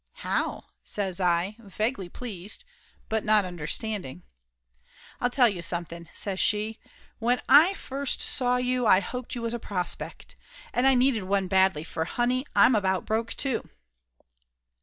"How?" says I, vaguely pleased, but not under standing. "I'll tell you something," says she. "When I first saw you I hoped you was a prospect. And I needed one badly, for, honey, I'm about broke too